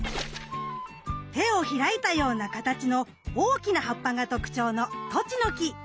手を開いたような形の大きな葉っぱが特徴のトチノキ。